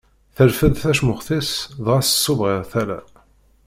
Terfed tacmuxt-is dɣa tṣubb ɣer tala.